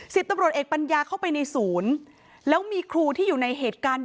สิบตำรวจเอกปัญญาเข้าไปในศูนย์แล้วมีครูที่อยู่ในเหตุการณ์